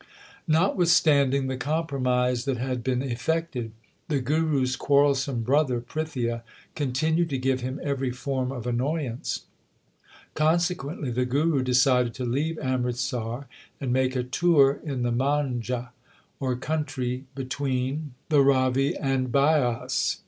Notwithstanding the compromise that had been effected, the Guru s quarrelsome brother Prithia continued to give him every form of annoyance. Consequently the Guru decided to leave Amritsar and make a tour in the Man] ha, or country between 1 Maru Solha. LIFE OF GURU ARJAN 21 the Ravi and Bias.